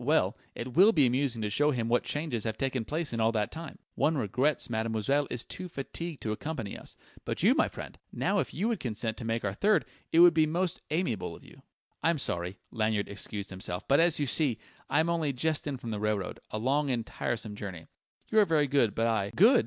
Well, it will be amusing to show him what changes have taken place in all that time. One regrets mademoiselle is too fatigued to accompany us. But you, my friend now if you would consent to make our third, it would be most amiable of you." "I'm sorry," Lanyard excused himself; "but as you see, I am only just in from the railroad, a long and tiresome journey. You are very good, but I " "Good!"